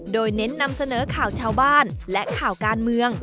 โดยเน้นนำเสนอข่าวชาวบ้านและข่าวการเมือง